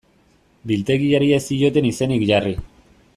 Biltegiari ez zioten izenik jarri.